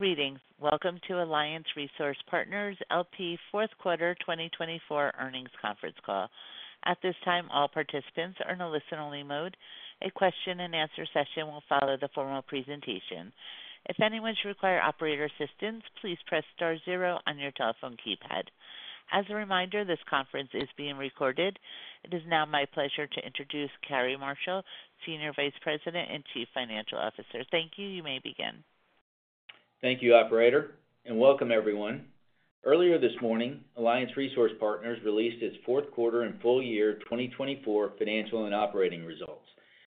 Greetings. Welcome to Alliance Resource Partners, LP Fourth Quarter 2024 Earnings Conference Call. At this time, all participants are in a listen-only mode. A question-and-answer session will follow the formal presentation. If anyone should require operator assistance, please press Star zero on your telephone keypad. As a reminder, this conference is being recorded. It is now my pleasure to introduce Cary Marshall, Senior Vice President and Chief Financial Officer. Thank you. You may begin. Thank you, Operator, and welcome everyone. Earlier this morning, Alliance Resource Partners released its fourth quarter and full year 2024 financial and operating results.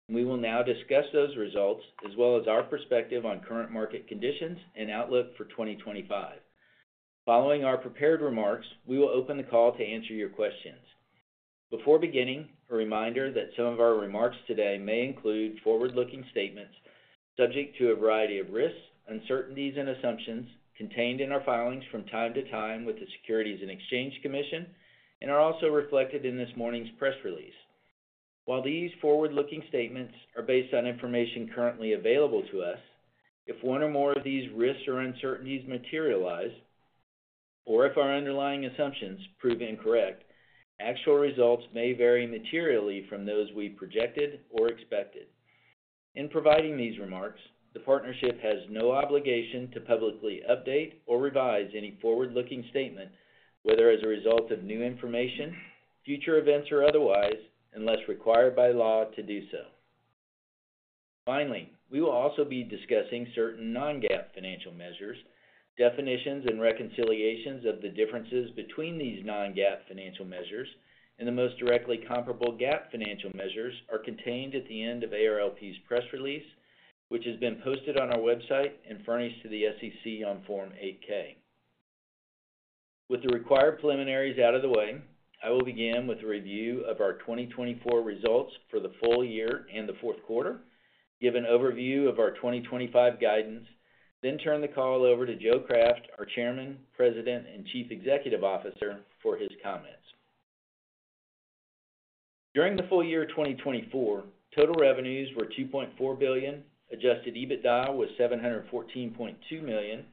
We will now discuss those results as well as our perspective on current market conditions and outlook for 2025. Following our prepared remarks, we will open the call to answer your questions before beginning. A reminder that some of our remarks today may include forward-looking statements subject to a variety of risks, uncertainties, and assumptions contained in our filings from time to time with the Securities and Exchange Commission and are also reflected in this morning's press release. While these forward-looking statements are based on information currently available to us, if one or more of these risks or uncertainties materialize, or if our underlying assumptions prove incorrect, actual results may vary materially from those we projected or expected. In providing these remarks, the Partnership has no obligation to publicly update or revise any forward-looking statement, whether as a result of new information, future events or otherwise, unless required by law to do so. Finally, we will also be discussing certain non-GAAP financial measures. Definitions and reconciliations of the differences between these non-GAAP financial measures and the most directly comparable GAAP financial measures are contained at the end of ARLP's press release, which has been posted on our website and furnished to the SEC on Form 8-K. With the required preliminaries out of the way, I will begin with a review of our 2024 results for the full year and the fourth quarter. Give an overview of our 2025 guidance, then turn the call over to Joe Craft, our Chairman, President, and Chief Executive Officer, for his comments. During the full year 2024, total revenues were $2.4 billion. Adjusted EBITDA was $714.2 million,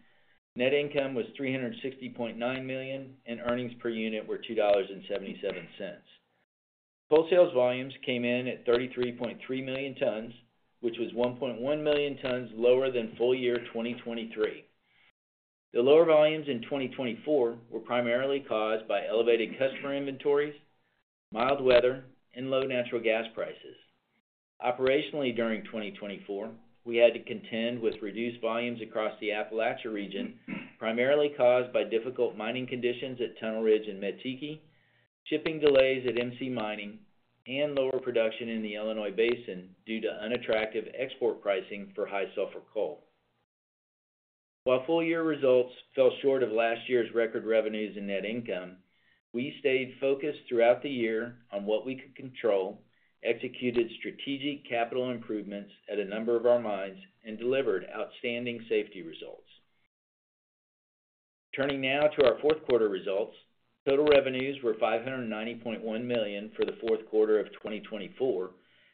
net income was $360.9 million and earnings per unit were $2.77. Wholesale volumes came in at 33.3 million tons, which was 1.1 million tons lower than full year 2023. The lower volumes in 2024 were primarily caused by elevated customer inventories, mild weather and low natural gas prices. Operationally, during 2024 we had to contend with reduced volumes across the Appalachia region, primarily caused by difficult mining conditions at Tunnel Ridge and Mettiki, shipping delays at MC Mining, and lower production in the Illinois Basin due to unattractive export pricing for high sulfur coal. While full year results fell short of last year's record revenues and net income, we stayed focused throughout the year on what we could control, executed strategic capital improvements at a number of our mines and delivered outstanding safety results. Turning now to our fourth quarter results, total revenues were $590.1 million for the fourth quarter of 2024,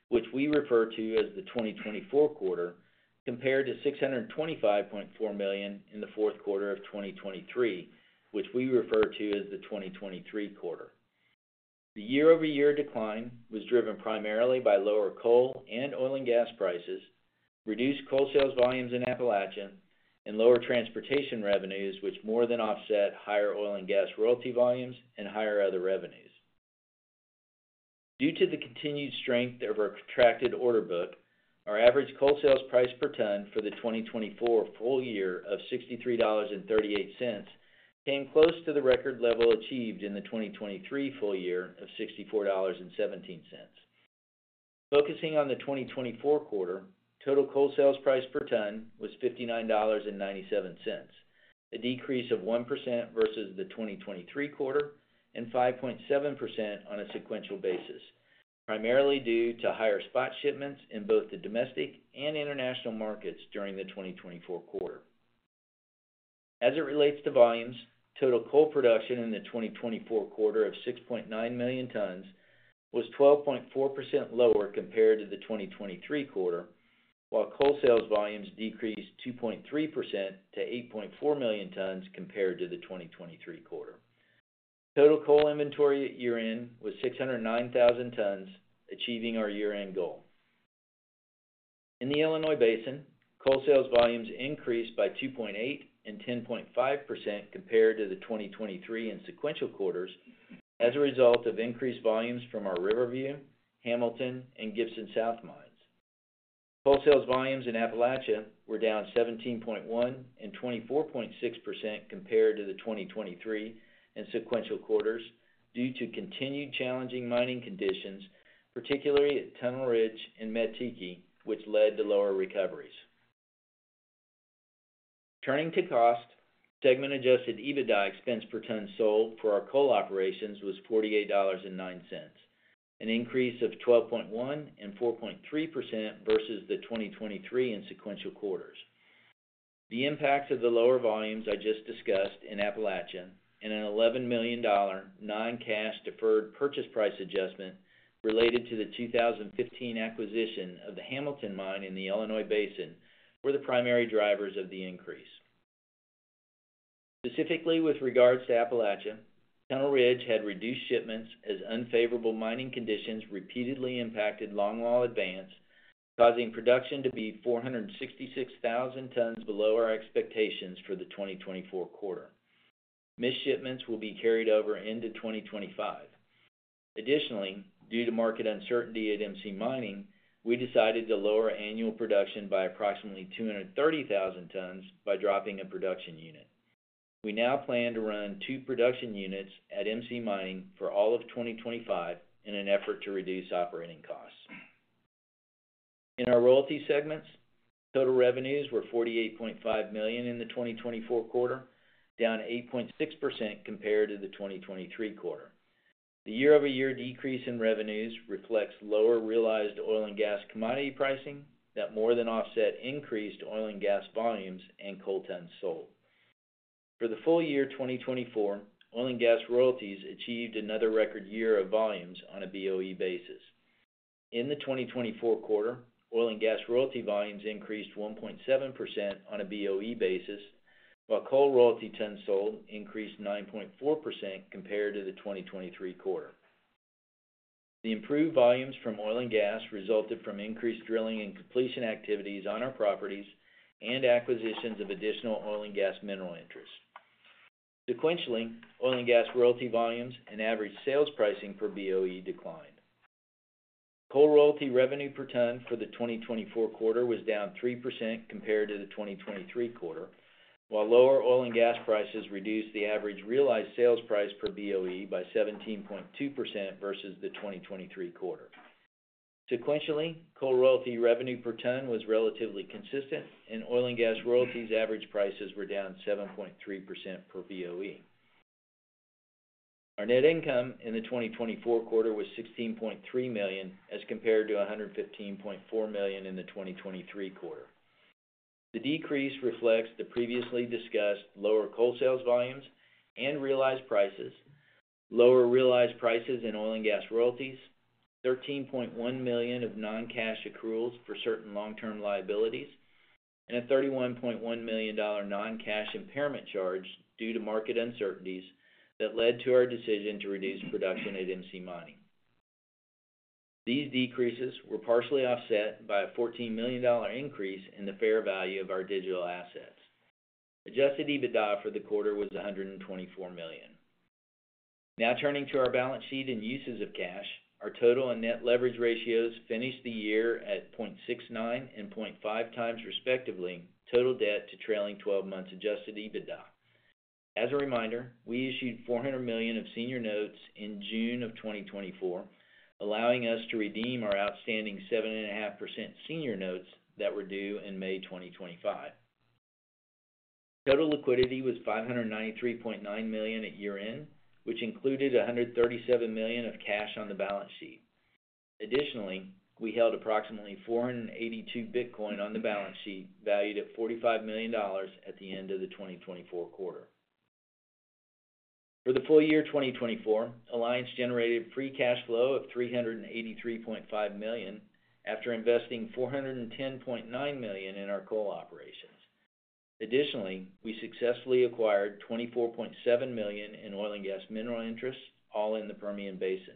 which we refer to as the 2024 quarter, compared to $625.4 million in the fourth quarter of 2023, which we refer to as the 2023 quarter. The year over year decline was driven primarily by lower coal and oil and gas prices, reduced coal sales volumes in Appalachia, and lower transportation revenues which more than offset higher oil and gas royalty volumes and higher other revenues. Due to the continued strength of our contracted order book, our average coal sales price per ton for the 2024 full year of $63.38 came close to the record level achieved in the 2023 full year of $64.17. Focusing on the 2024 quarter, total coal sales price per ton was $59.97, a decrease of 1% versus the 2023 quarter and 5.7% on a sequential basis primarily due to higher spot shipments in both the domestic and international markets during the 2024 quarter. As it relates to volumes, total coal production in the 2024 quarter of 6.9 million tons was 12.4% lower compared to the 2023 quarter while coal sales volumes decreased 2.3% to 8.4 million tons compared to the 2023 quarter. Total coal inventory at year end was 609,000 tons, achieving our year end goal. In the Illinois Basin, coal sales volumes increased by 2.8% and 10.5% compared to the 2023 and sequential quarters as a result of increased volumes from our Riverview, Hamilton and Gibson South mines. Coal sales volumes in Appalachia were down 17.1% and 24.6% compared to the 2023 sequential quarters due to continued challenging mining conditions, particularly at Tunnel Ridge and Mettiki, which led to lower recoveries. Turning to cost segment, adjusted EBITDA expense per ton sold for our coal operations was $48.09, an increase of 12.1% and 4.3% versus the 2023 and sequential quarters. The impact of the lower volumes I just discussed in Appalachia and an $11 million non-cash deferred purchase price adjustment related to the 2015 acquisition of the Hamilton Mine in the Illinois Basin were the primary drivers of the increase. Specifically, with regards to Appalachia, Tunnel Ridge had reduced shipments as unfavorable mining conditions repeatedly impacted longwall advance, causing production to be 466,000 tons below our expectations for the 2024 quarter. Missed shipments will be carried over into 2025. Additionally, due to market uncertainty at MC Mining, we decided to lower annual production by approximately 230,000 tons by dropping a production unit. We now plan to run two production units at MC Mining for all of 2025 in an effort to reduce operating costs in our royalty segments. Total revenues were $48.5 million in the 2024 quarter, down 8.6% compared to the 2023 quarter. The year over year decrease in revenues reflects lower realized oil and gas commodity pricing that more than offset increased oil and gas volumes and coal tons sold for the full year 2024. Oil and gas royalties achieved another record year of volumes on a BOE basis in the 2024 quarter. Oil and gas royalty volumes increased 1.7% on a BOE basis while coal royalty tons sold increased 9.4% compared to the 2023 quarter. The improved volumes from oil and gas resulted from increased drilling and completion activities on our properties and acquisitions of additional oil and gas mineral interest. Sequentially, oil and gas royalty volumes and average sales pricing for BOE declined. Coal royalty revenue per ton for the 2024 quarter was down 3% compared to the 2023 quarter, while lower oil and gas prices reduced the average realized sales price per BOE by 17.2% versus the 2023 quarter. Sequentially, coal royalty revenue per ton was relatively consistent and oil and gas royalty's average prices were down 7.3% per BOE. Our net income in the 2024 quarter was $16.3 million as compared to $115.4 million in the 2023 quarter. The decrease reflects the previously discussed lower coal sales volumes and realized prices, lower realized prices in oil and gas royalties, $13.1 million of non-cash accruals for certain long-term liabilities and a $31.1 million non-cash impairment charge due to market uncertainties that led to our decision to reduce production at MC Mining. These decreases were partially offset by a $14 million increase in the fair value of our digital assets. Adjusted EBITDA for the quarter was $124 million. Now turning to our balance sheet and uses of cash, our total and net leverage ratios finished the year at 0.69 and 0.5 times, respectively. Total debt to trailing 12 months adjusted EBITDA. As a reminder, we issued $400 million of senior notes in June of 2024, allowing us to redeem our outstanding 7.5% senior notes that were due in May 2025. Total liquidity was $593.9 million at year end, which included $137 million of cash on the balance sheet. Additionally, we held approximately 482 Bitcoin on the balance sheet valued at $45 million at the end of the 2024 quarter. For the full year 2024, Alliance generated free cash flow of $383.5 million after investing $410.9 million in our coal operations. Additionally, we successfully acquired $24.7 million in oil and gas mineral interest, all in the Permian Basin.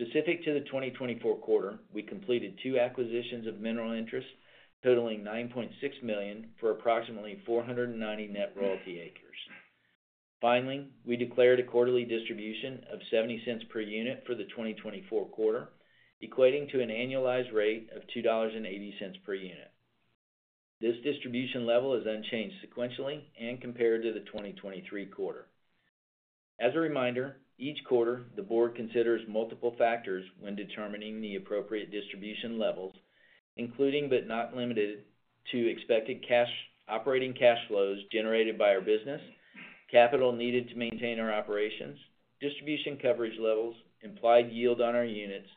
Specific to the 2024 quarter, we completed two acquisitions of mineral interest totaling $9.6 million for approximately 490 net royalty acres. Finally, we declared a quarterly distribution of $0.70 per unit for the 2024 quarter, equating to an annualized rate of $2.80 per unit. This distribution level is unchanged sequentially and compared to the 2023 quarter. As a reminder, each quarter the Board considers multiple factors when determining the appropriate distribution levels, including but not limited to expected cash, operating cash flows generated by our business, capital needed to maintain our operations, distribution coverage levels, implied yield on our units,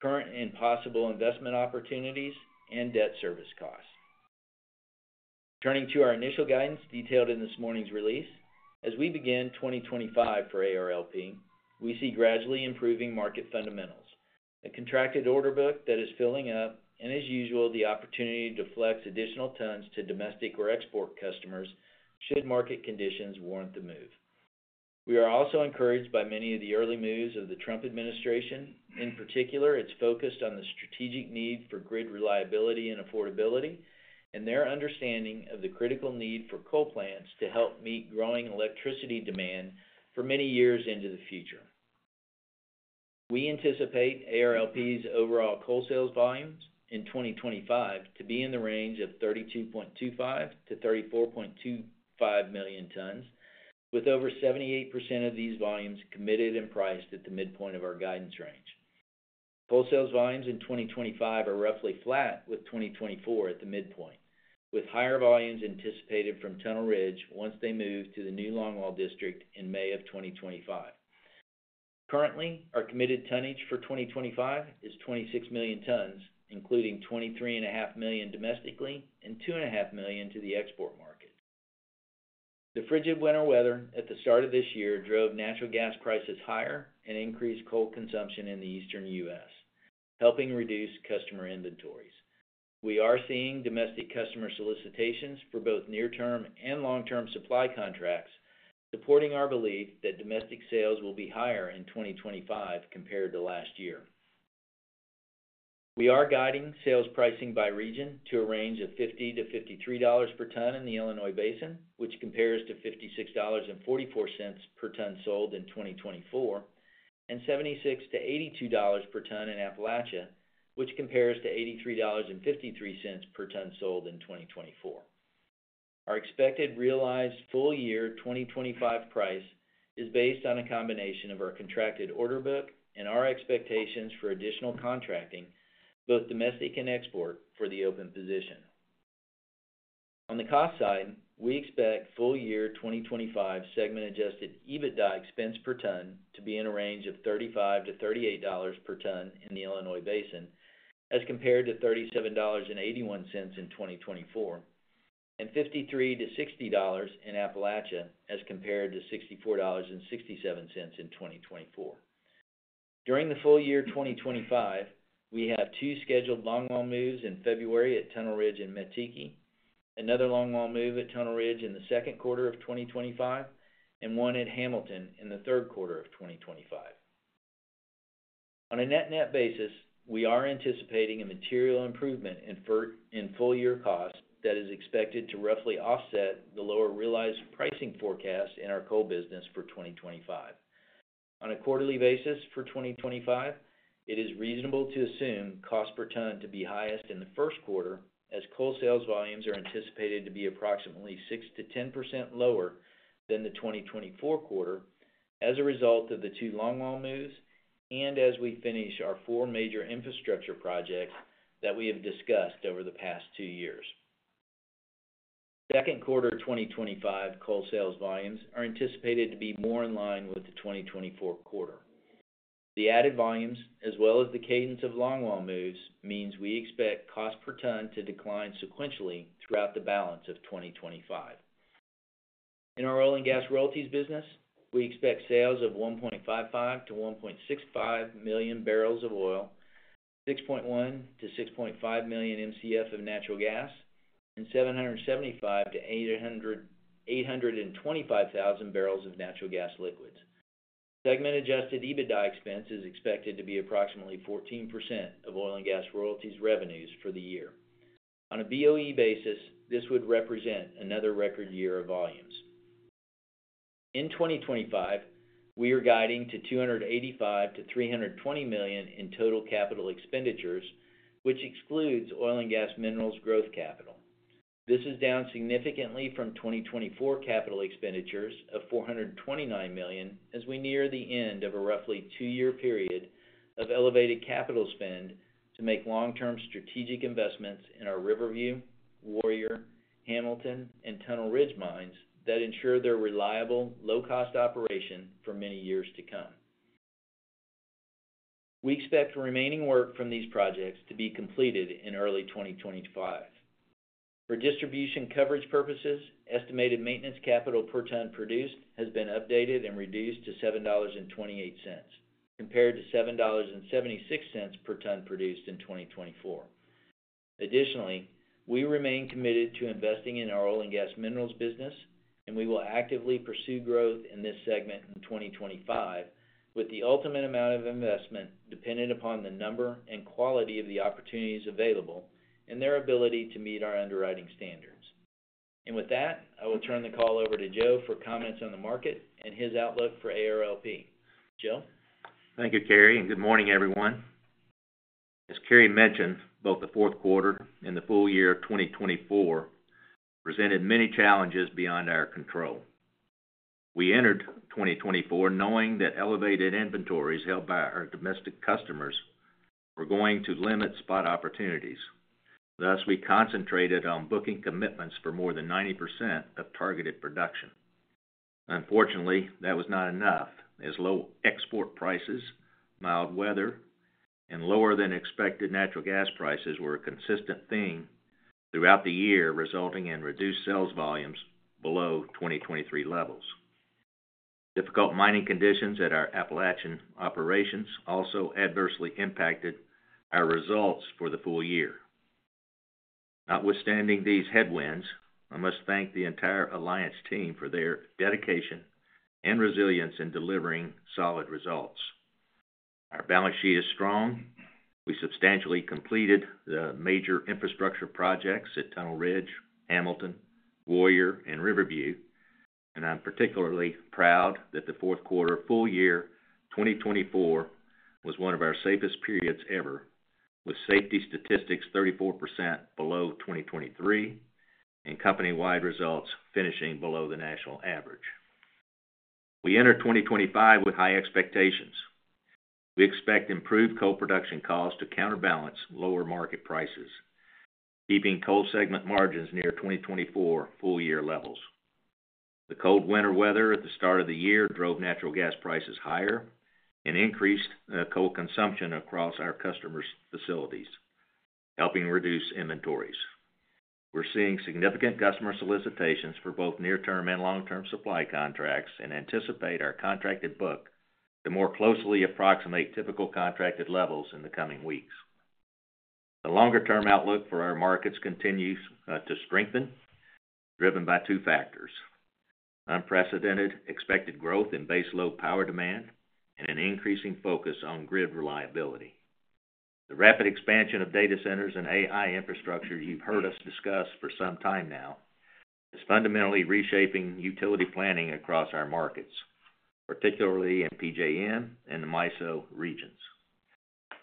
current and possible investment opportunities, and debt service costs. Turning to our initial guidance detailed in this morning's release, as we begin 2025 for ARLP, we see gradually improving market fundamentals, a contracted order book that is filling up, and as usual, the opportunity to flex additional tons to domestic or export customers should market conditions warrant the move. We are also encouraged by many of the early moves of the Trump administration. In particular, it's focused on the strategic need for grid reliability and affordability, and their understanding of the critical need for coal plants to help meet growing electricity demand for many years into the future. We anticipate ARLP's overall coal sales volumes in 2025 to be in the range of 32.25-34.25 million tons, with over 78% of these volumes committed and priced at the midpoint of our guidance range. Wholesale sales volumes in 2025 are roughly flat, with 2024 at the midpoint, with higher volumes anticipated from Tunnel Ridge once they move to the new longwall district in May of 2025. Currently, our committed tonnage for 2025 is 26 million tons, including 23.5 million domestically and 2.5 million to the export market. The frigid winter weather at the start of this year drove natural gas prices higher and increased coal consumption in the eastern U.S., helping reduce customer inventories. We are seeing domestic customer solicitations for both near term and long term supply contracts supporting our belief that domestic sales will be higher in 2025 compared to last year. We are guiding sales pricing by region to a range of $50-$53 per ton in the Illinois Basin, which compares to $56.44 per ton sold in 2024 and $76-$82 per ton in Appalachia, which compares to $83.53 per ton sold in 2024. Our expected realized full year 2025 price is based on a combination of our contracted order book and our expectations for additional contracting, both domestic and export for the open position. On the cost side, we expect full year 2025 segment adjusted EBITDA expense per ton to be in a range of $28-$30 per ton in the Illinois Basin as compared to $37.81 in 2024 and $53-$60 in Appalachia as compared to $64.67 in 2024. During the full year 2025, we have two scheduled longwall moves in February at Tunnel Ridge and Mettiki, another longwall move at Tunnel Ridge in the second quarter of 2025 and one at Hamilton in the third quarter of 2025. On a net-net basis, we are anticipating a material improvement in full year costs that is expected to roughly offset the lower realized pricing forecast in our coal business for 2025. On a quarterly basis, for 2025, it is reasonable to assume cost per ton to be highest in the first quarter as coal sales volumes are anticipated to be approximately 6%-10% lower than the 2024 quarter. As a result of the two longwall moves and as we finish our four major infrastructure projects that we have discussed over the past two years, second quarter 2025 coal sales volumes are anticipated to be more in line with the 2024 quarter. The added volumes as well as the cadence of longwall moves means we expect cost per ton to decline sequentially throughout the balance of 2025. In our oil and gas royalties business, we expect sales of 1.55-1.65 million barrels of oil, 6.1-6.5 million mcf of natural gas, and 775,000-825,000 barrels of natural gas liquids. Segment Adjusted EBITDA expense is expected to be approximately 14% of oil and gas royalties revenues for the year. On a BOE basis, this would represent another record year of volumes. In 2025 we are guiding to $285-320 million in total capital expenditures which excludes oil and gas minerals growth capital. This is down significantly from 2024 capital expenditures of $429 million as we near the end of a roughly two-year period elevated capital spend to make long-term strategic investments in our Riverview, Warrior, Hamilton and Tunnel Ridge mines that ensure their reliable low-cost operation for many years to come. We expect remaining work from these projects to be completed in early 2025. For distribution coverage purposes, estimated maintenance capital per ton produced has been updated and reduced to $7.28 compared to $7.76 per ton produced in 2024. Additionally, we remain committed to investing in our oil and gas minerals business and we will actively pursue growth in this segment in 2025 with the ultimate amount of investment dependent upon the number and quality of the opportunities available and their ability to meet our underwriting standards, and with that I will turn the call over to Joe for comments on the market and his outlook for ARLP. Joe. Thank you, Cary, and good morning, everyone. As Cary mentioned, both the fourth quarter and the full year 2024 presented many challenges beyond our control. We entered 2024 knowing that elevated inventories held by our domestic customers were going to limit spot opportunities. Thus, we concentrated on booking commitments for more than 90% of targeted production. Unfortunately, that was not enough as low export prices, mild weather and lower than expected natural gas prices were a consistent theme throughout the year, resulting in reduced sales volumes below 2023 levels. Difficult mining conditions at our Appalachian operations also adversely impacted our results for the full year. Notwithstanding these headwinds, I must thank the entire Alliance team for their dedication and resilience in delivering solid results. Our balance sheet is strong. We substantially completed the major infrastructure projects at Tunnel Ridge, Hamilton, Warrior and Riverview, and I'm particularly proud that the fourth quarter full year 2024 was one of our safest periods ever. With safety statistics 34% below 2023 and company-wide results finishing below the national average, we entered 2025 with high expectations. We expect improved coal production costs to counterbalance lower market prices, keeping coal segment margins near 2024 full year levels. The cold winter weather at the start of the year drove natural gas prices higher and increased coal consumption across our customers' facilities, helping reduce inventories. We're seeing significant customer solicitations for both near-term and long-term supply contracts and anticipate our contracted book to more closely approximate typical contracted levels in the coming weeks. The longer term outlook for our markets continues to strengthen, driven by two factors unprecedented expected growth in baseload power demand and an increasing focus on grid reliability. The rapid expansion of data centers and AI infrastructure you've heard us discuss for some time now is fundamentally reshaping utility planning across our markets, particularly in PJM and the MISO regions.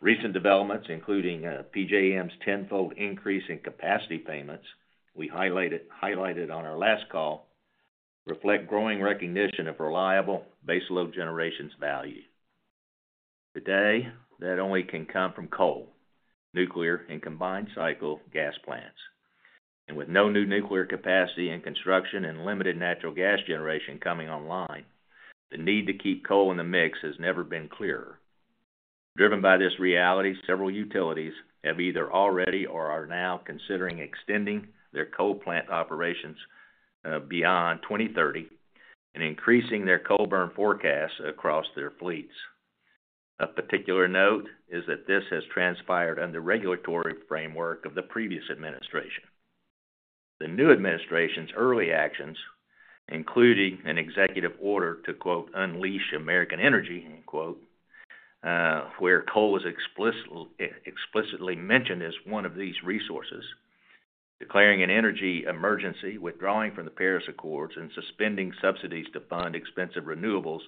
Recent developments, including PJM's tenfold increase in capacity payments we highlighted on our last call, reflect growing recognition of reliable baseload generation's value today that only can come from coal, nuclear and combined cycle gas plants, and with no new nuclear capacity in construction and limited natural gas generation coming online, the need to keep coal in the mix has never been clearer. Driven by this reality, several utilities have either already or are now considering extending their coal plant operations beyond 2030 and increasing their coal burn forecasts across their fleets. A particular note is that this has transpired under regulatory framework of the previous administration. The new administration's early actions, including an executive order to, quote unleash American Energy, where coal was explicitly mentioned as one of these resources, declaring an energy emergency, withdrawing from the Paris Accords and suspending subsidies to fund expensive renewables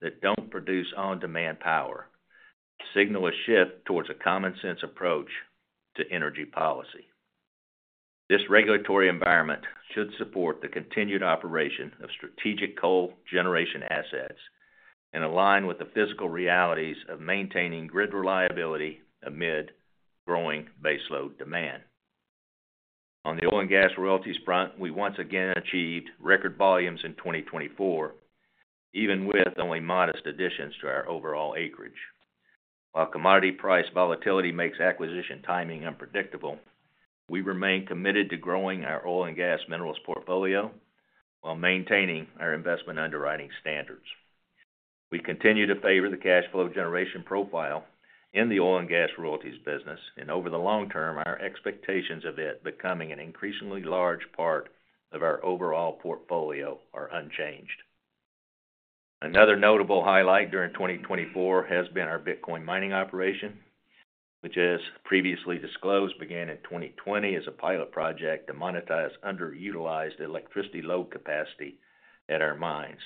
that don't produce on demand power, signal a shift towards a common sense approach to energy policy. This regulatory environment should support the continued operation of strategic coal generation assets and align with the physical realities of maintaining grid reliability amid growing baseload demand. On the oil and gas royalties front, we once again achieved record volumes in 2024 even with only modest additions to our overall acreage. While commodity price volatility makes acquisition timing unpredictable, we remain committed to growing our oil and gas minerals portfolio while maintaining our investment underwriting standards. We continue to favor the cash flow generation profile in the oil and gas royalties business and over the long term our expectations of it becoming an increasingly large part of our overall portfolio are unchanged. Another notable highlight during 2024 has been our Bitcoin mining operation, which as previously disclosed began in 2020 as a pilot project to monetize underutilized electricity load capacity at our mines.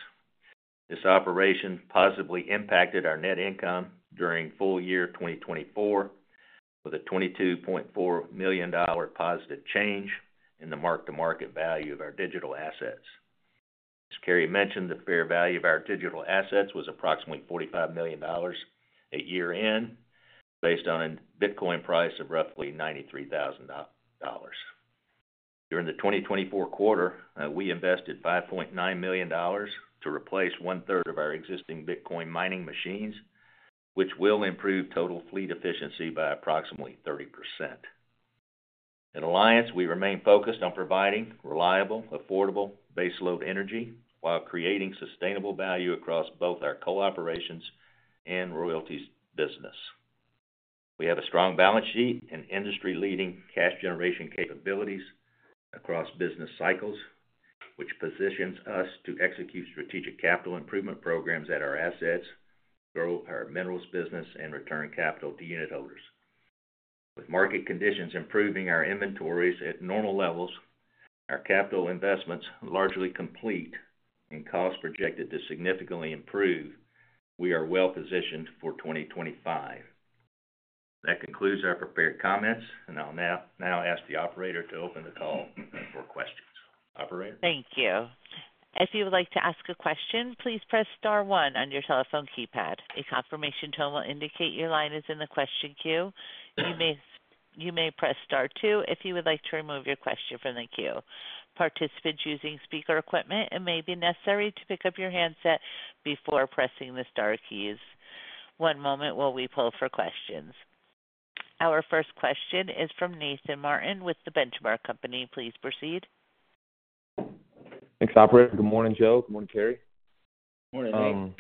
This operation positively impacted our net income during full year 2024 with a $22.4 million positive change in the mark to market value of our digital assets. As Cary mentioned, the fair value of our digital assets was approximately $45 million at year end based on a Bitcoin price of roughly $93,000. During the 2024 quarter, we invested $5.9 million to replace one third of our existing Bitcoin mining machines, which will improve total fleet efficiency by approximately 30%. At Alliance, we remain focused on providing reliable, affordable baseload energy while creating sustainable value. Across both our coal operations and royalty business. We have a strong balance sheet and industry-leading cash generation capabilities across business cycles, which positions us to execute strategic capital improvement programs at our assets, grow our minerals business and return capital to unitholders. With market conditions improving, our inventories at normal levels, our capital investments largely complete and costs projected to significantly improve, we are well positioned for 2025. That concludes our prepared comments and I'll now ask the operator to open the call for questions. Operator. Thank you. If you would like to ask a question, please press star one on your telephone keypad. A confirmation tone will indicate your line is in the question queue. You may press star two if you would like to remove your question from the queue. Participants using speaker equipment. It may be necessary to pick up your handset before pressing the star keys. One moment while we poll for questions. Our first question is from Nathan Martin with the Benchmark Company. Please proceed. Thanks, Operator. Good morning, Joe. Good morning, Cary. Good morning, Nathan.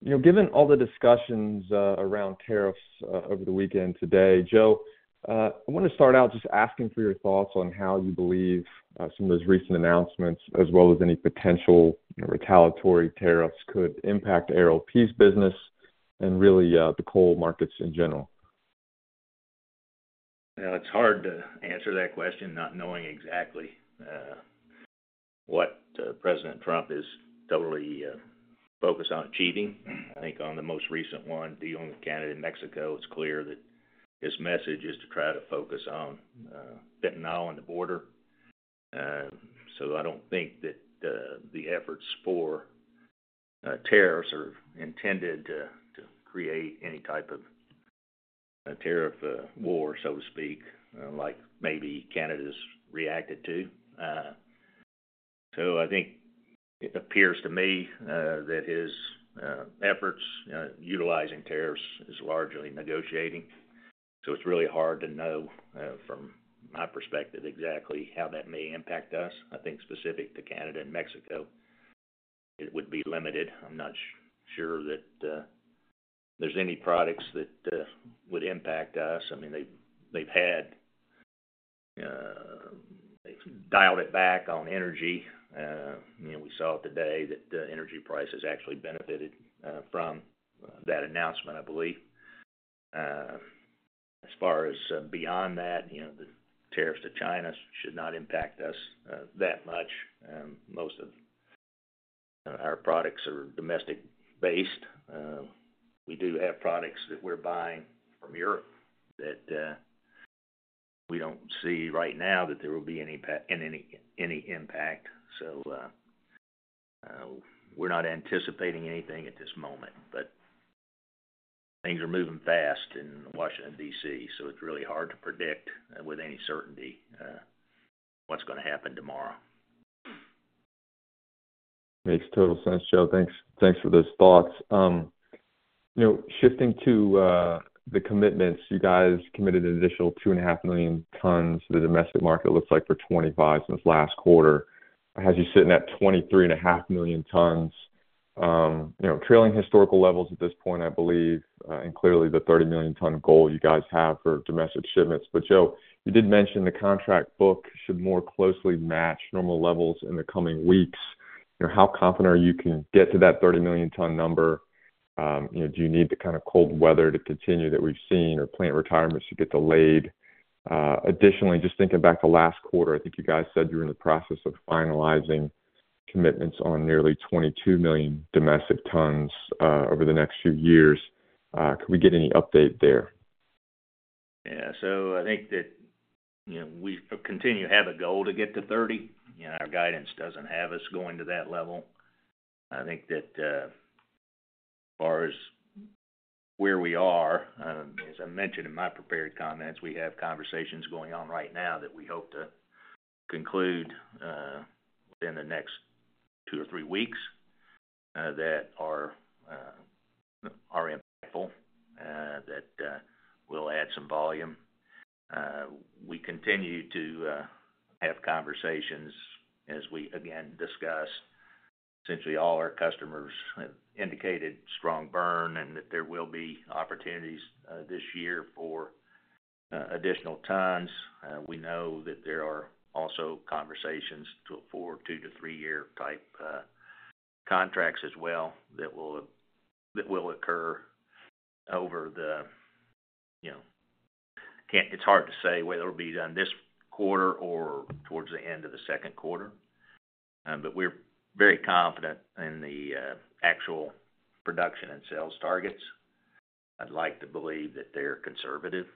You know, given all the discussions around tariffs over the weekend today, Joe, I want to start out just asking for your thoughts on how you believe some of those recent announcements, as well as any potential retaliatory tariffs could impact ARLP's business and really the coal markets in general. It's hard to answer that question not knowing exactly what President Trump is totally focused on achieving. I think on the most recent one dealing with Canada and Mexico, it's clear that his message is to try to focus on fentanyl and the border. So I don't think that the efforts for tariffs are intended to create any type of tariff war, so to speak, like maybe Canada's reacted to. So I think it appears to me that his efforts utilizing tariffs is largely negotiating. So it's really hard to know from my perspective exactly how that may impact us. I think specific to Canada and Mexico it would be limited. I'm not sure that there's any products that would impact us. I mean they've dialed it back on energy. We saw today that energy prices actually benefited from that announcement. I believe as far as beyond that the tariffs to China should not impact us that much. Most of our products are domestic based. We do have products that we're buying from Europe that we don't see right now that there will be any impact. So we're not anticipating anything at this moment. But things are moving fast in Washington, D.C. so it's really hard to predict with any certainty what's going to happen tomorrow. Makes total sense. Joe, thanks for those thoughts. Shifting to the commitments, you guys committed an additional 2.5 million tons. The domestic market looks like for 2025 since last quarter has you sitting at 23.5 million tons trailing historical levels at this point I believe. Clearly the 30-million-ton goal you guys have for domestic shipments. Joe, you did mention the contract book should more closely match normal levels in the coming weeks. How confident are you can get to that 30-million-ton number? Do you need the kind of cold weather to continue that we've seen or plant retirements to get delayed? Additionally, just thinking back to last quarter, I think you guys said you were in the process of finalizing commitments on nearly 22 million domestic tons over the next few years. Could we get any update there? Yeah, so I think that, you know, we continue to have a goal to get to 30 and our guidance doesn't have us going to that level. I think that as far as where we are, as I mentioned in my prepared comments, we have conversations going on right now that we hope to conclude within the next two or three weeks that are impactful, that will add some volume. We continue to have conversations as we again discuss essentially all our customers indicated strong burn and that there will be opportunities this year for additional tons. We know that there are also conversations for two- to three-year type contracts as well that will occur over the. You know, it's hard to say whether it'll be done this quarter or towards the end of the second quarter. But we're very confident in the actual production and sales targets. I'd like to believe that they're conservative,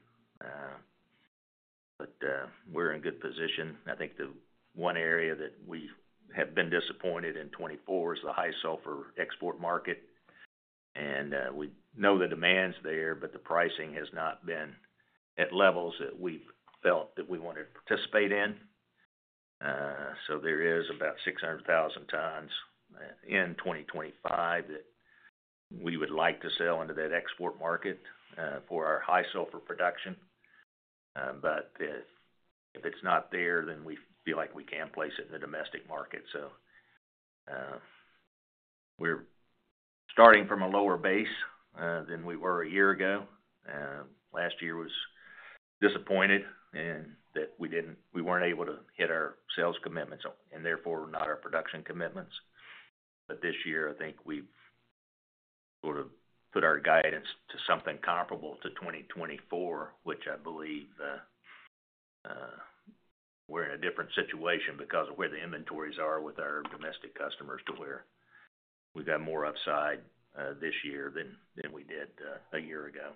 but we're in good position. I think the one area that we have been disappointed in 2024 is the high sulfur export market. And we know the demands there. But the pricing has not been at levels that we felt that we wanted to participate in. So there is about 600,000 tons in 2025 that we would like to sell into that export market for our high sulfur production. But if it's not there then we feel like we can place it in the domestic market. So we're starting from a lower base than we were a year ago. Last year was disappointed and that we didn't. We weren't able to hit our sales commitments and therefore not our production commitments. But this year I think we've sort of put our guidance to something comparable to 2024, which I believe we're in a different situation because of where the inventories are with our domestic customers to where we've got more upside this year than we did a year ago.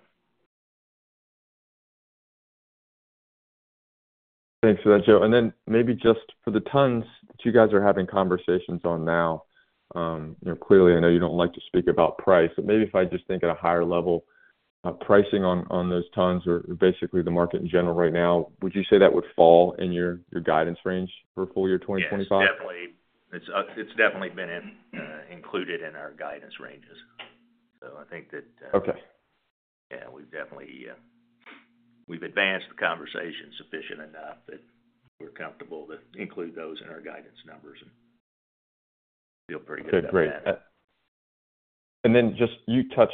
Thanks for that, Joe. And then maybe just for the tons that you guys are having conversations on now, clearly I know you don't like to speak about price, but maybe if I just think at a higher level pricing on those tons or basically the market in general right now, would you say that would fall in your guidance range for full year 2025? It's definitely been included in our guidance ranges. Okay, yeah, we've definitely advanced the conversation sufficient enough that we're comfortable to include those in our guidance numbers and feel pretty good. And then just you touched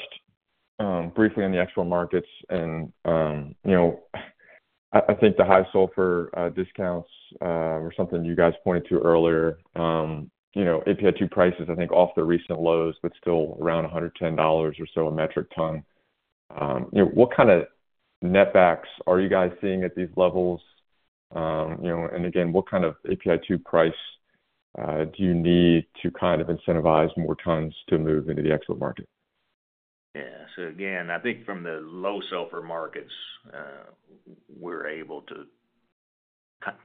briefly on the export markets and you know, I think the high sulfur discounts were something you guys pointed to earlier. You know, API 2 prices, I think off the recent lows, but still around $110 or so a metric ton. You know, what kind of netbacks are you guys seeing at these levels? You know, and again, what kind of API 2 price do you need to kind of incentivize more tons to move into the export market? Yeah, so again, I think from the low sulfur markets we're able to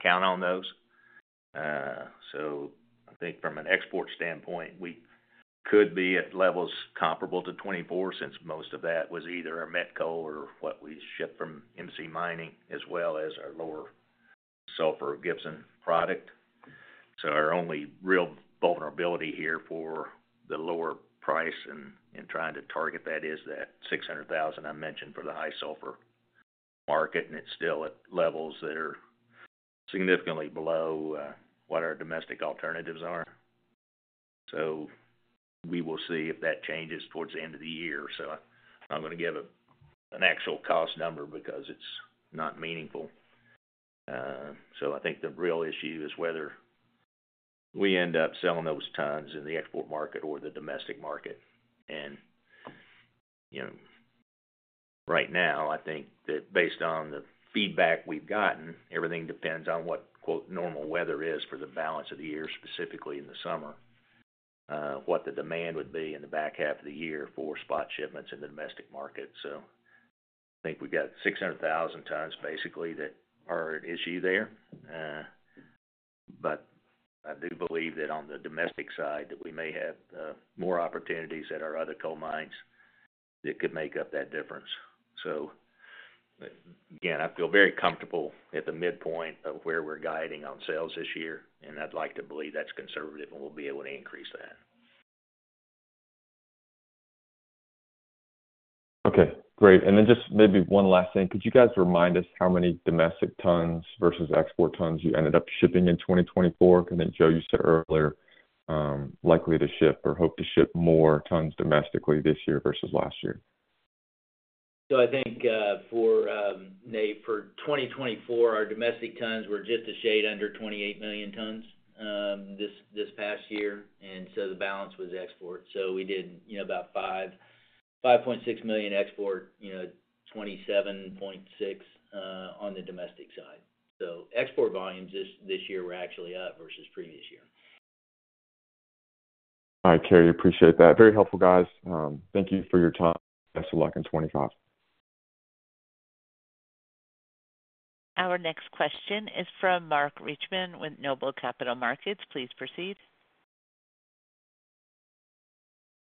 count on those. So I think from an export standpoint we could be at levels comparable to 2024 since most of that was either our met coal or what we shipped from MC Mining as well as our lower sulfur Gibson product. So our only real vulnerability here for the lower price and trying to target that is that 600,000 I mentioned for the high sulfur market. And it's still at levels that are significantly below what our domestic alternatives are. So we will see if that changes towards the end of the year. I'm going to give an actual cost number because it's not meaningful. So I think the real issue is whether we end up selling those tons in the export market or the domestic market. You know, right now I think that based on the feedback we've gotten, everything depends on what, quote, normal weather is for the balance of the year, specifically in the summer, what the demand would be in the back half of the year for spot shipments in the domestic market. So I think we got 600,000 tons basically that are at issue there. But I do believe that on the domestic side that we may have more opportunities at our other coal mines that could make up that difference. So again, I feel very comfortable at the midpoint of where we're guiding on sales this year and I'd like to believe that's conservative and we'll be able to increase that. Okay, great. And then just maybe one last thing. Could you guys remind us how many domestic tons versus export tons you ended up shipping in 2024? I think Joe, you said earlier likely to ship or hope to ship more tons domestically this year versus last year. So I think for Nate, for 2024, our domestic tons were just a shade under 28 million tons this past year. And so the balance was export. So we did about 5, 5.6 million export, 27.6 on the domestic side. So export volumes this year were actually up versus previous year. All right, Cary, appreciate that. Very helpful guys. Thank you for your time. Best of luck in 2025. Our next question is from Mark Reichman with Noble Capital Markets. Please proceed.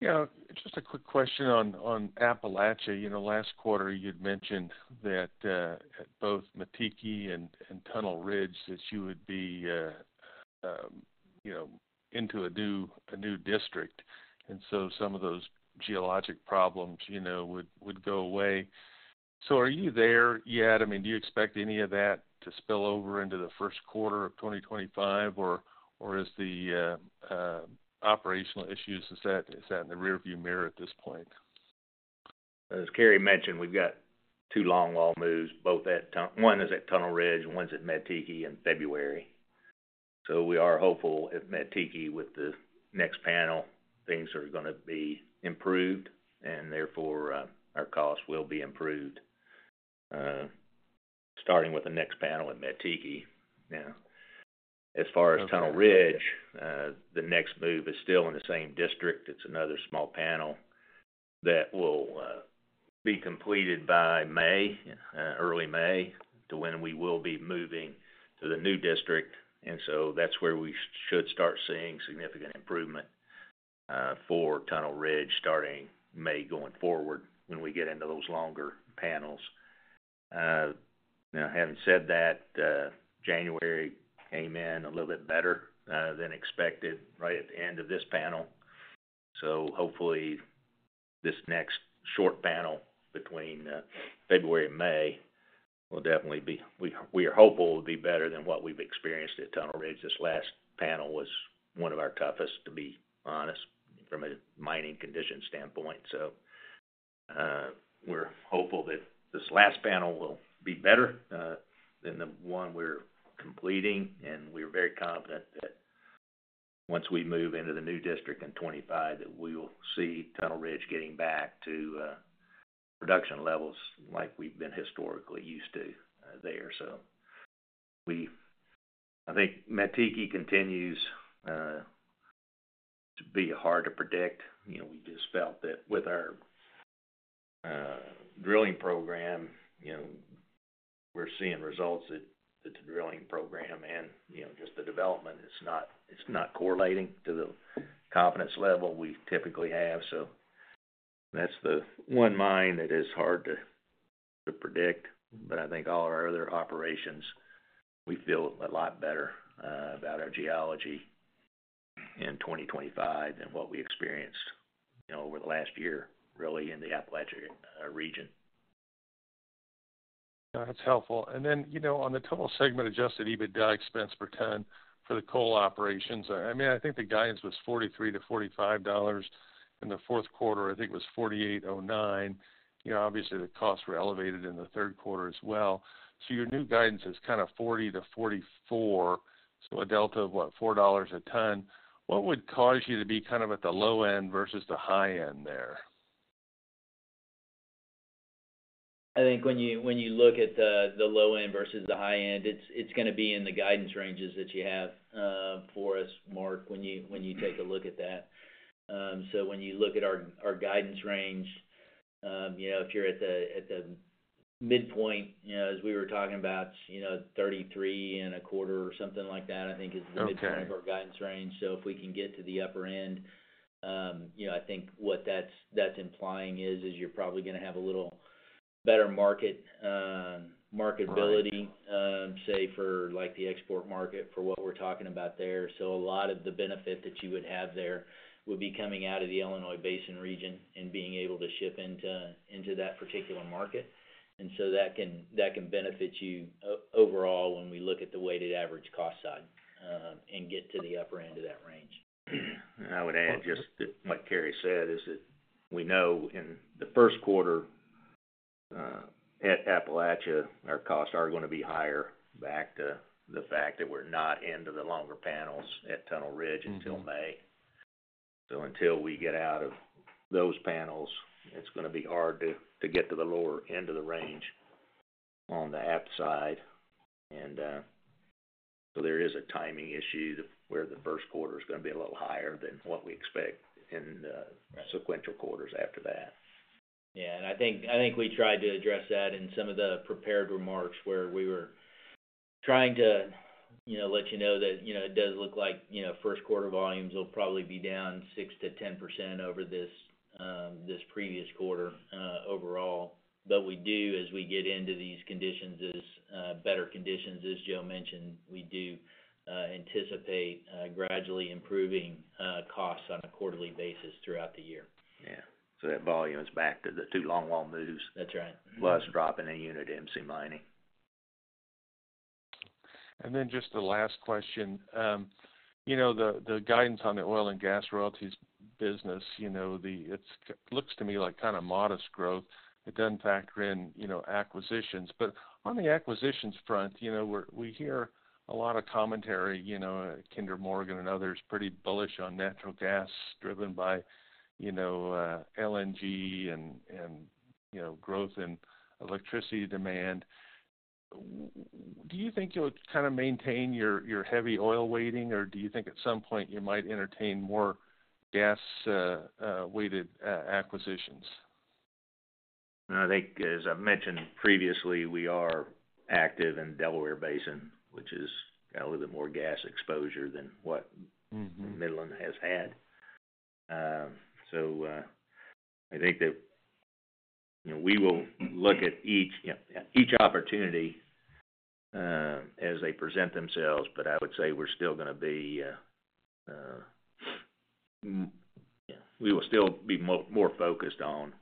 Yeah, just a quick question on Appalachia, you know, last quarter you'd mentioned that both Mettiki and Tunnel Ridge that you would be into a new district and so some of those geologic problems would go away. So are you there yet? Do you expect any of that to spill over into the first quarter of 2025 or is the operational issues, is that in the rearview mirror at this point? As Cary mentioned, we've got two longwall moves, both, one is at Tunnel Ridge, one's at Mettiki in February. So we are hopeful at Mettiki with the next panel, things are going to be improved and therefore our costs will be improved starting with the next panel at Mettiki. Now as far as Tunnel Ridge, the next move is still in the same district. It's another small panel that will be completed by May, early May to when we will be moving to the new district. And so that's where we should start seeing significant improvement for Tunnel Ridge starting May going forward when we get into those longer panels. Now having said that January came in a little bit better than expected right at the end of this panel. Hopefully this next short panel between February and May will definitely be. We are hopeful it will be better than what we've experienced at Tunnel Ridge. This last panel was one of our toughest to be honest, from a mining condition standpoint. We're hopeful that this last panel will be better than the one we're completing and we're very confident that once we move into the new district in 2025 that we will see Tunnel Ridge getting back to production levels like we've been historically used to there. So we, I think Mettiki continues to be hard to predict. You know, we just felt that with our drilling program, you know, we're seeing results at the drilling program and just the development, it's not correlating to the confidence level we typically have. So that's the one mine that is hard to predict. But I think all our other operations, we feel a lot better about our geology in 2025 than what we experienced over the last year, really, in the Appalachia region. That's helpful. And then, you know, on the total segment, Adjusted EBITDA expense per ton for the coal operations, I mean, I think the guidance was $43-$45 in the fourth quarter. I think it was $48.09. Obviously, the costs were elevated in the third quarter as well. So your new guidance is kind of $40-$44. So a delta of what, $4 a ton. What would cause you to be kind of at the low end versus the high end there? I think when you look at the low end versus the high end, it's going to be in the guidance ranges that you have for us, Mark, when you take a look at that. So when you look at our guidance range, you know, if you're at the midpoint, you know, as we were talking about, you know, 33.25 or something like that, I think is the midpoint of our guidance range. So if we can get to that, the upper end, I think what that's implying is you're probably going to have a little better marketability, say, for the export market for what we're talking about there. So a lot of the benefit that you would have there would be coming out of the Illinois Basin region and being able to ship into that particular market. And so that can benefit you overall when we look at the weighted average cost side and get to the upper. End of that range, I would add just what Cary said is that we know in the first quarter at Appalachia, our costs are going to be higher, back to the fact that we're not into the longer panels at Tunnel Ridge until May. So until we get out of those panels, it's going to be hard to get to the lower end of the range on the app side. And so there is a timing issue where the first quarter is going to be a little higher than what we expect in sequential quarters after that. Yeah, and I think we tried to address that in some of the prepared remarks where we were trying to let you know that it does look like first quarter volumes will probably be down 6%-10% over this previous quarter overall. But we do as we get into these conditions as better conditions. As Joe mentioned, we do anticipate gradually improving costs on a quarterly basis throughout the year. Yeah, so that volume is back to the two longwall moves. That's right. Less dropping a unit MC Mining. And then just the last question. You know, the guidance on the oil and gas royalties business, it looks to me like kind of modest growth. It doesn't factor in acquisitions. But on the acquisitions front we hear a lot of commentary. Kinder Morgan and others pretty bullish on natural gas driven by LNG and growth in electricity demand. Do you think you'll kind of maintain your heavy oil weighting or do you think at some point you might entertain more gas weighted acquisitions? I think as I mentioned previously, we are active in Delaware Basin, which has got a little bit more gas exposure than what Midland has had. So I think that we will look at each opportunity as they present themselves. But I would say we're still going to be, we will still be more focused on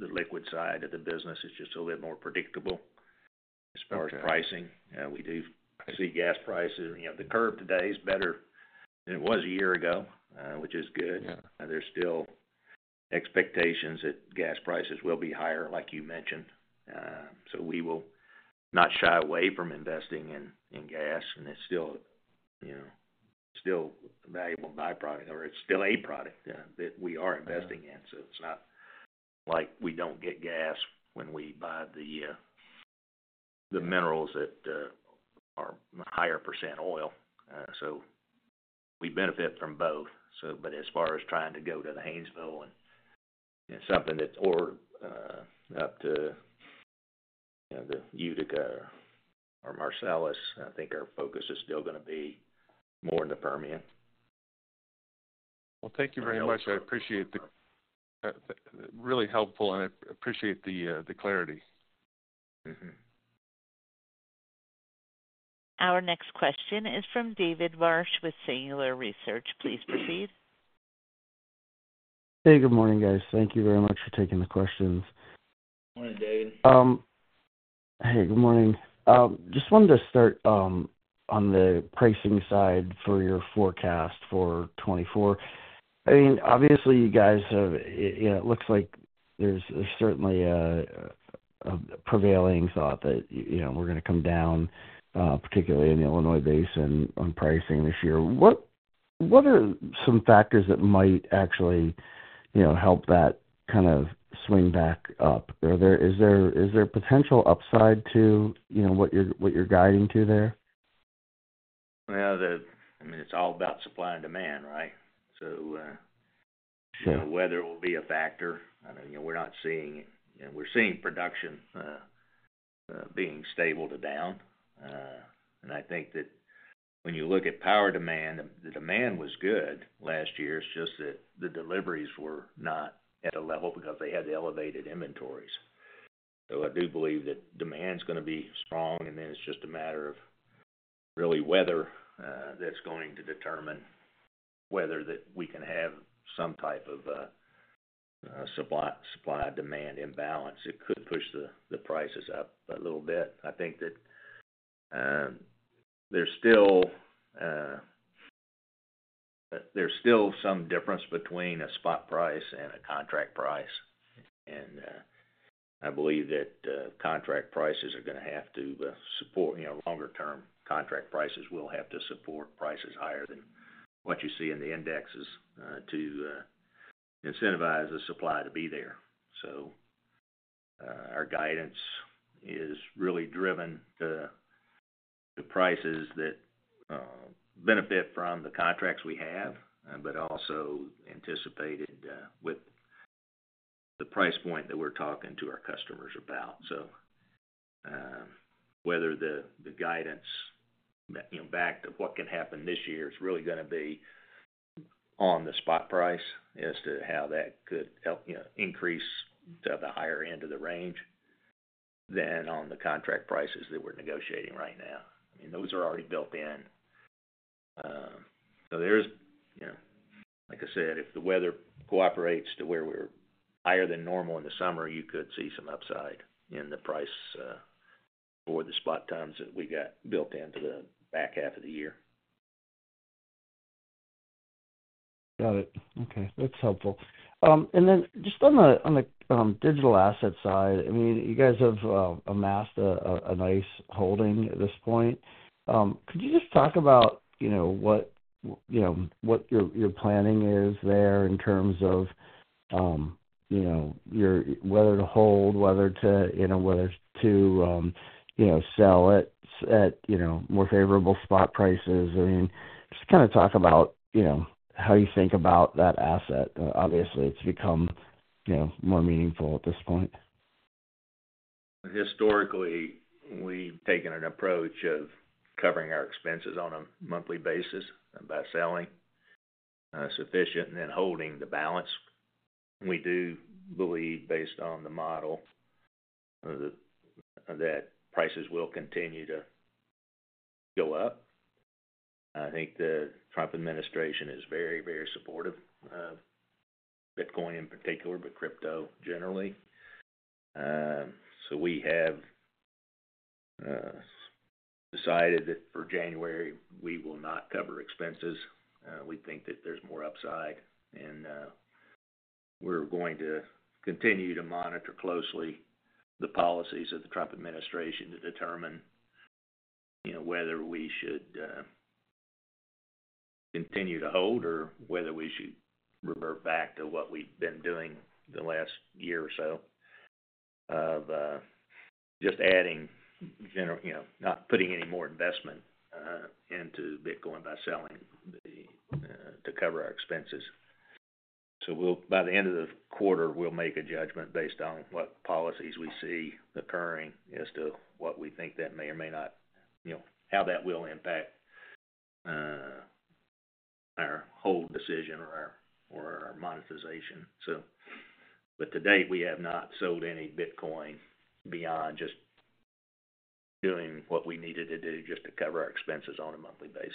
the liquid side of the business. It's just a little more predictable as far as pricing. We do see gas prices. The curve today is better than it was a year ago, which is good. There's still expectations that gas prices will be higher like you mentioned. So we will not shy away from investing in gas. And it's still, you know, still valuable byproduct or it's still a product that we are investing in. So it's not like we don't get gas when we buy the minerals that are higher percent oil. So we benefit from both. But as far as trying to go to the Haynesville and something that's or up to the Utica or Marcellus, I think our focus is still going to be more in the Permian. Thank you very much. I appreciate the really helpful and I appreciate the clarity. Our next question is from David Marsh with Singular Research. Please proceed. Hey, good morning, guys. Thank you very much for taking the questions. Morning, David. Hey, good morning. Just wanted to start on the pricing side for your forecast for 2024. I mean, obviously, you guys, it looks like there's certainly a prevailing thought that, you know, we're going to come down, particularly in the Illinois Basin on pricing this year. What are some factors that might actually, you know, help that kind of swing back up? Is there potential upside to, you know, what you're guiding to there? I mean, it's all about supply and demand. Right. Whether it will be a factor, I mean, we're seeing production being stable to down. I think that when you look at power demand, the demand was good last year. It's just that the deliveries were not at a level because they had the elevated inventories. I do believe that demand's going to be strong and then it's just a matter of really weather that's going to determine whether that we can have some type of supply demand imbalance. It could push the prices up a little bit. I think that there's still some difference between a spot price and a contract price. I believe that contract prices are going to have to support, you know, longer term contract prices will have to support prices higher than what you see in the indexes to incentivize the supply to be there. So our guidance is really driven to the prices that benefit from the contracts we have, but also anticipated with the price point that we're talking to our customers about. So whether the guidance back to what can happen this year is really going to be on the spot price as to how that could help increase the higher end of the range than on the contract prices that we're negotiating right now. I mean, those are already built in. There's, you know, like I said, if the weather cooperates to where we're higher than normal in the summer, you could see some upside in the price for the spot tons that we got built into the back half of the year. Got it. Okay, that's helpful. And then just on the digital asset side, I mean, you guys have amassed a nice holding at this point. Could you just talk about, you know, what, you know, what your, your planning is there in terms of, you know, your whether to hold, whether to, you know, whether to, you know, sell it at, you know, more favorable spot prices. I mean, just kind of talk about, you know, how you think about that asset. Obviously it's become, you know, more meaningful at this point. Historically, we've taken an approach of covering our expenses on a monthly basis by selling sufficient and then holding the balance. We do believe, based on the model, that prices will continue to go up. I think the Trump administration is very, very supportive of Bitcoin in particular, but crypto generally. So we have decided that for January, we will not cover expenses. We think that there's more upside and we're going to continue to monitor closely the policies of the Trump administration to determine whether we should continue to hold or whether we should revert back to what we've been doing the last year or so of just adding general, you know, not putting any more investment into Bitcoin by selling to cover our expenses. So we'll, by the end of the quarter, we'll make a judgment based on what policies we see occurring as to what we think that may or may not, how that will impact our whole decision on monetization. But to date, we have not sold any Bitcoin beyond just doing what we needed to do just to cover our expenses on a monthly basis.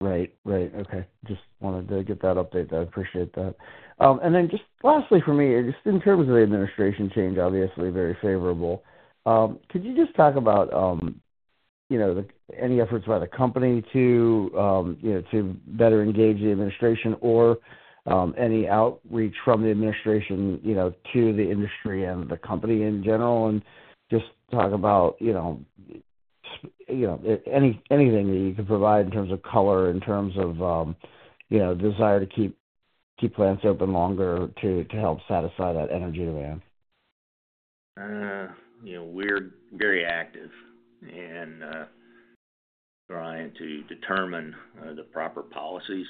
Right, right. Okay. Just wanted to get that update. I appreciate that and then just lastly for me, just in terms of the administration change, obviously very favorable. Could you just talk about, you know, any efforts by the company to better engage the administration or any outreach from the administration, you know, to the industry and the company in general, and just talk about, you know, anything that you can provide in terms of color, in terms of, you know, desire to keep plants open longer to help satisfy that energy demand? You know, we're very active in trying to determine the proper policies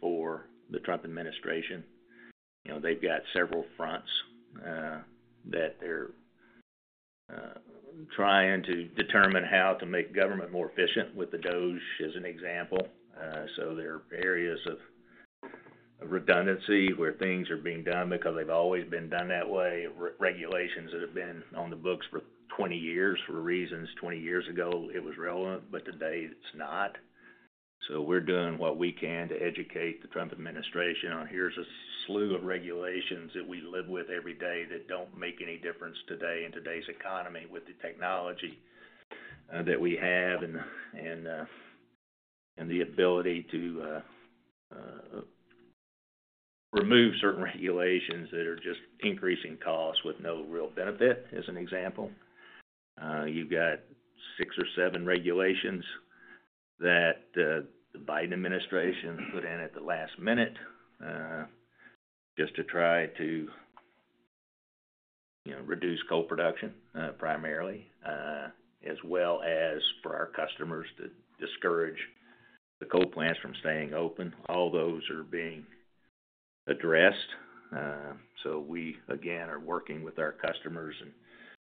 for the Trump administration. You know, they've got several fronts that they're trying to determine how to make government more efficient, with the DOGE as an example. So there are areas of redundancy where things are being done because they've always been done that way. Regulations that have been on the books for 20 years for reasons 20 years ago it was relevant, but today it's not. So we're doing what we can to educate the Trump administration on. Here's a slew of regulations that we live with every day that don't make any difference today in today's economy, with the technology that we have and. And the ability to remove certain regulations that are just increasing costs with no real benefit. As an example, you've got six or seven regulations that the Biden administration put in at the last minute just to try to reduce coal production primarily, as well as for our customers, to discourage the coal plants from staying open. All those are being addressed. So we, again, are working with our customers and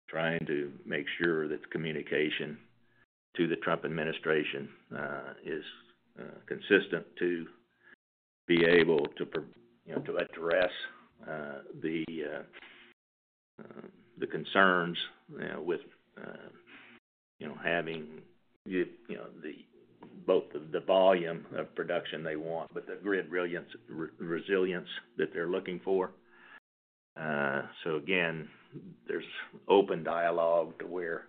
trying to make sure that communication to the Trump administration is consistent, to be able to address the concerns with, you know, having both the volume of production they want, but the grid resilience that they're looking for. So, again, there's open dialogue to where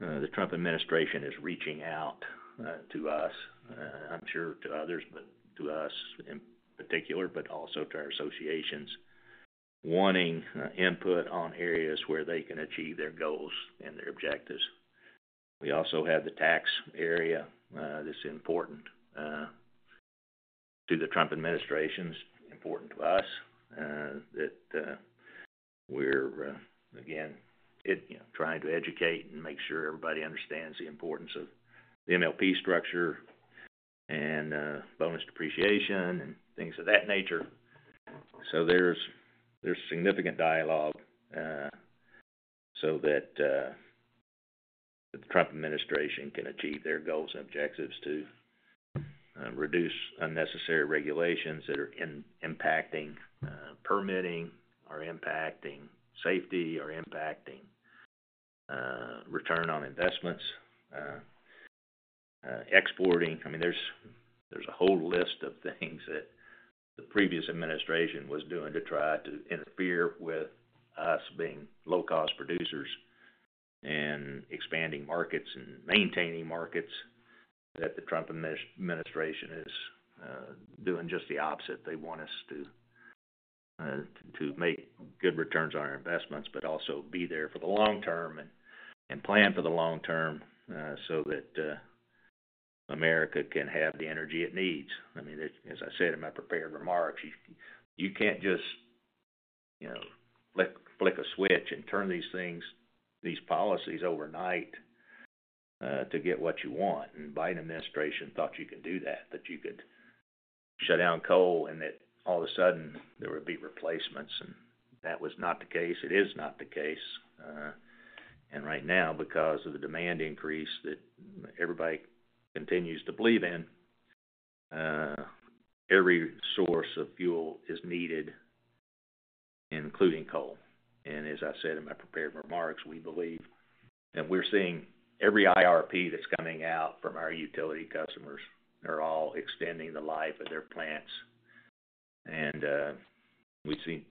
the Trump administration is reaching out to us, I'm sure to others, but to us in particular, but also to our associations, wanting input on areas where they can achieve their goals and their objectives. We also have the tax area that's important to the Trump administration, important to us that we're again, trying to educate and make sure everybody understands the importance of the MLP structure and bonus depreciation and things of that nature. So there's significant dialogue so that the Trump administration can achieve their goals and objectives to reduce unnecessary regulations that are impacting permitting or impacting safety or impacting return on investments, exporting. I mean, there's a whole list of things that the previous administration was doing to try to interfere with us being low cost producers and expanding markets and maintaining markets that the Trump administration is doing just the opposite. They want us to make good returns on our investments, but also be there for the long term and plan for the long term so that America can have the energy it needs. I mean, as I said in my prepared remarks, you can't just, you know, flick a switch and turn these things, these policies overnight to get what you want. The Biden administration thought you can do that, that you could shut down coal and that all of a sudden there would be replacements. And that was not the case. It is not the case. And right now, because of the demand increase that everybody continues to believe in, every source of fuel is needed, including coal. And as I said in my prepared remarks, we believe that we're seeing every IRP that's coming out from our utility customers are all extending the life of their plants. And we see,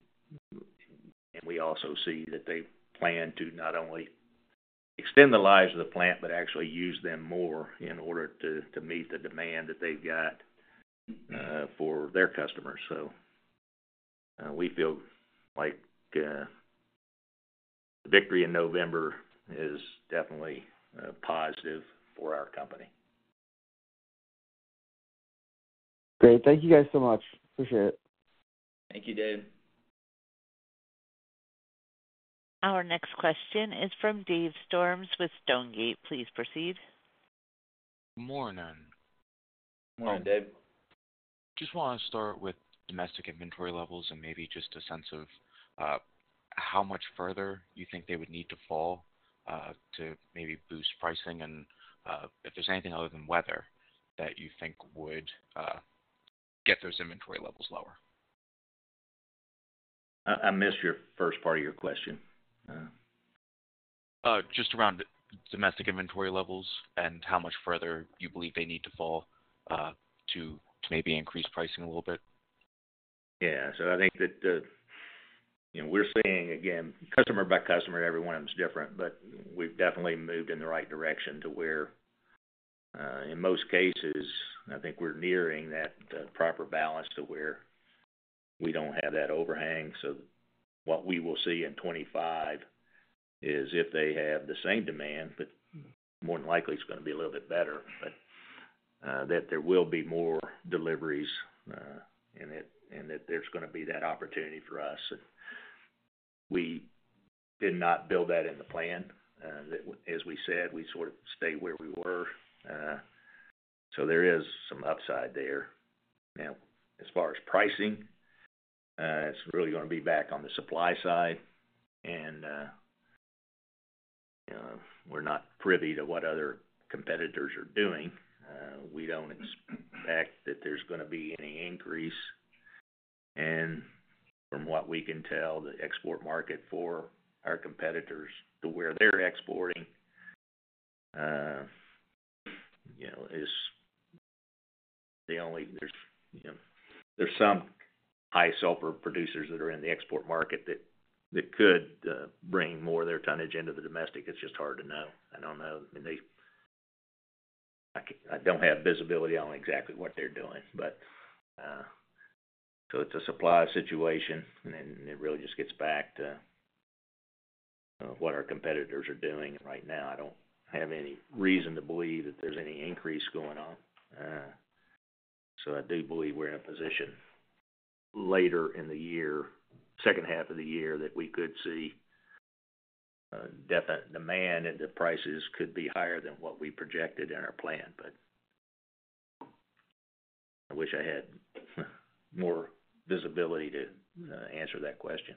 and we also see that they plan to not only extend the lives of the plant, but actually use them more in order to meet the demand that they've got for their customers. So we feel like the victory in November is definitely positive for our company. Great. Thank you guys so much. Appreciate it. Thank you, Dave. Our next question is from Dave Storms with Stonegate. Please proceed. Morning. Morning, Dave. Just want to start with domestic inventory levels and maybe just a sense of how much further you think they would need to fall to maybe boost pricing and if there's anything other than weather that you think would get those inventory levels lower? I missed your first part of your question. Just around domestic inventory levels and how much further you believe they need to fall to maybe increase pricing a little bit. Yeah. So I think that we're seeing again customer by customer. Every one of them is different, but we've definitely moved in the right direction to where in most cases, I think we're nearing that proper balance to where we don't have that overhang. So what we will see in 2025 is if they have the same demand, but more than likely it's going to be a little bit better, that there will be more deliveries and that there's going to be that opportunity for us. We did not build that in the plan, as we said. We sort of stayed where we were. So there is some upside there now as far as pricing. It's really going to be back on the supply side and we're not privy to what other competitors are doing. We don't expect that there's going to be any increase. And from what we can tell, the export market for our competitors to where they're exporting, you know, is the only there's. There's some high-sulfur producers that are in the export market that could bring more of their tonnage into the domestic. It's just hard to know. I don't know. I don't have visibility on exactly what they're doing. But so it's a supply situation and it really just gets back to what our competitors are doing right now. I don't have any reason to believe that there's any increase going on. So I do believe we're in a position later in the year, second half of the year, that we could see definite demand and the prices could be higher than what we projected in our plan. But I wish I had more visibility to answer that question.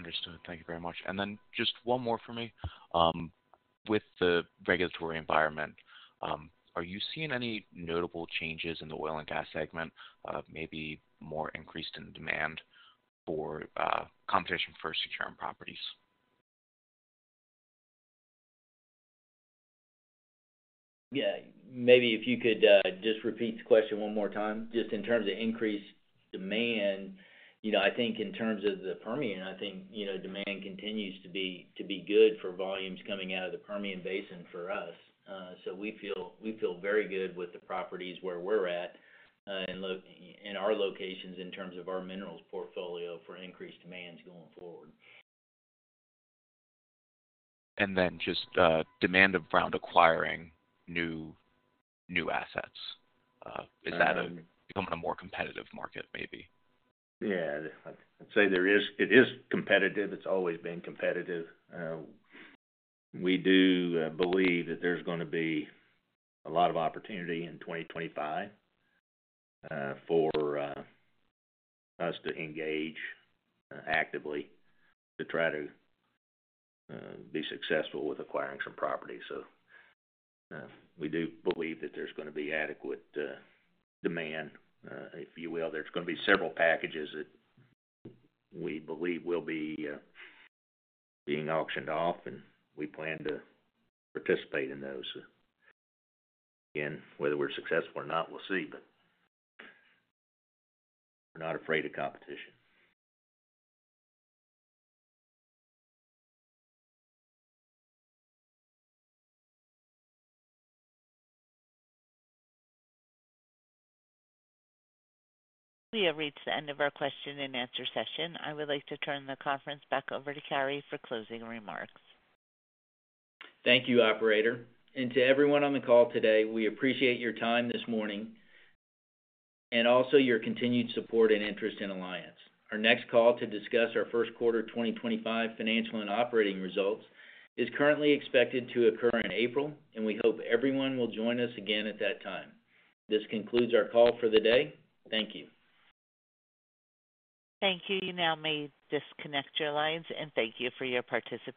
Understood, thank you very much. And then just one more for me with the regulatory environment. Are you seeing any notable changes in the oil and gas segment? Maybe more increased in demand for competition for securing properties? Yeah, maybe. If you could just repeat the question one more time. Just in terms of increased demand, I think in terms of the Permian. I think demand continues to be good for volumes coming out of the Permian Basin for us. So we feel very good with the properties where we're at in our locations in terms of our minerals portfolio for increased demands going forward. And then just demand around acquiring new assets. Is that a more competitive market? Maybe. Yeah, I'd say there is. It is competitive. It's always been competitive. We do believe that there's going to be a lot of opportunity in 2025 for us to engage actively to try to be successful with acquiring some property. So we do believe that there's going to be adequate demand, if you will. There's going to be several packages that we believe will be being auctioned off, and we plan to participate in those. And whether we're successful or not, we'll see. But we're not afraid of competition. We have reached the end of our question-and-answer session. I would like to turn the conference back over to Cary for closing remarks. Thank you, operator. And to everyone on the call today, we appreciate your time this morning and also your continued support and interest in Alliance. Our next call to discuss our first quarter 2025 financial and operating results is currently expected to occur in April. And we hope everyone will join us again at that time. This concludes our call for the day. Thank you. Thank you. You now may disconnect your lines, and thank you for your participation.